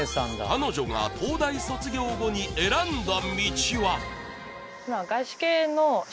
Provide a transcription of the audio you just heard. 彼女が東大卒業後に選んだ道は？